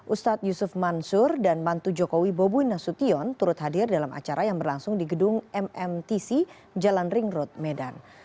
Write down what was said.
ustadz yusuf mansur dan mantu jokowi bobi nasution turut hadir dalam acara yang berlangsung di gedung mmtc jalan ring road medan